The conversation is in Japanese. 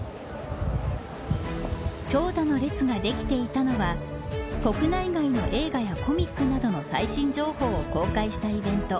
長蛇の列ができていたのは国内外の映画やコミックなどの最新情報を公開したイベント